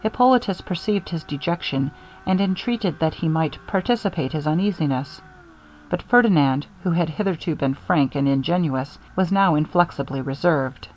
Hippolitus perceived his dejection, and entreated that he might participate his uneasiness; but Ferdinand, who had hitherto been frank and ingenuous, was now inflexibly reserved.